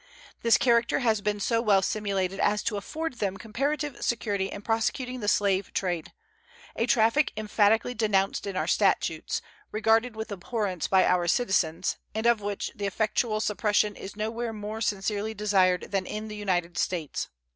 This character has been so well simulated as to afford them comparative security in prosecuting the slave trade a traffic emphatically denounced in our statutes, regarded with abhorrence by our citizens, and of which the effectual suppression is nowhere more sincerely desired than in the United States.